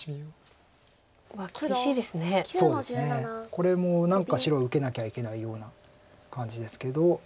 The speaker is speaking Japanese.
これも何か白受けなきゃいけないような感じですけど。